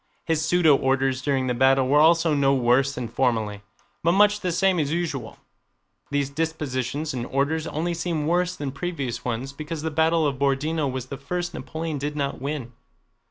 His pseudo orders during the battle were also no worse than formerly, but much the same as usual. These dispositions and orders only seem worse than previous ones because the battle of Borodinó was the first Napoleon did not win.